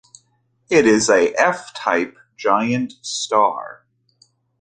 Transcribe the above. It is a F-type giant star.